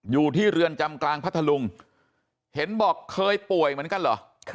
อยู่ที่เรือนจำกลางพัทธลุงเห็นบอกเคยป่วยเหมือนกันเหรอ